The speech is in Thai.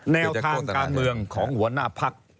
แนวทางการเมืองของหัวหน้าพัก